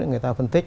người ta phân tích